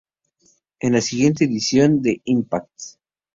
En la siguiente edición de "Impact!